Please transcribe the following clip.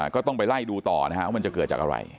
ก็ต้องไปไล่ดูต่อนะครับว่ามันจะเกิดจากอะไร